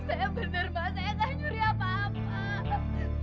saya bener bener gak nyuri apa apa